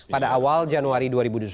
pada awal januari dua ribu dua puluh